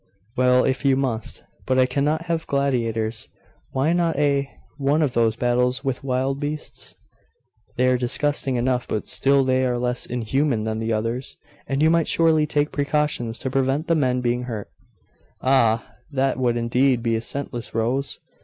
'Well, if you must but I cannot have gladiators. Why not a one of those battles with wild beasts? They are disgusting enough but still they are less inhuman than the others; and you might surely take precautions to prevent the men being hurt.' 'Ah! that would indeed be a scentless rose!